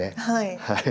はい。